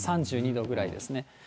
３２度ぐらいですね。